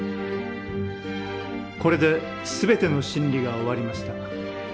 これで全ての審理が終わりました。